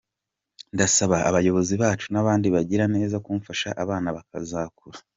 Ndasaba abayobozi bacu n’abandi bagiraneza kumfasha abana bakazakura.